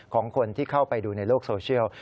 ของคนที่เข้าไปดูในโลกโซเชียล